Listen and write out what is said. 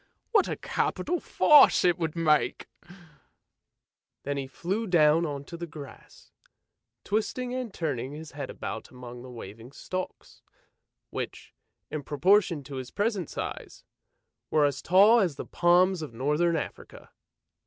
What a capital farce it would make !" Then he flew down on to the grass, twisting and turning his head about among the waving stalks, which, in proportion to his present size, were as tall as the palms of Northern Africa.